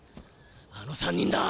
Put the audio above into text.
あの３人だ。